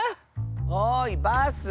おいバス！